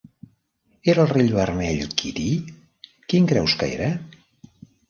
Era el Rei Vermell, Kitty? Quin creus que era?